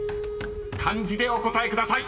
［漢字でお答えください］